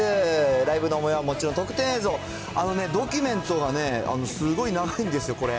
ライブのもようはもちろん、特典映像、ドキュメントがね、すごい長いんですよ、これ。